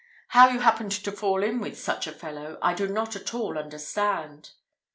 How you happened to fall in with such a fellow, I do not at all understand."